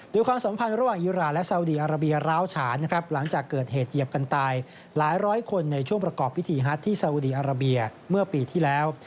ความสัมพันธ์ระหว่างอิราและซาวดีอาราเบียร้าวฉานนะครับหลังจากเกิดเหตุเหยียบกันตายหลายร้อยคนในช่วงประกอบพิธีฮัทที่สาวุดีอาราเบียเมื่อปีที่แล้ว